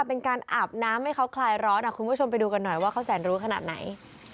เป็นการอาบน้ำให้เขาคลายร้อนคุณผู้ชมไปดูกันหน่อยว่าเขาแสนรู้ขนาดไหน